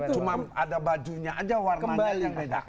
cuma ada bajunya aja warnanya yang beda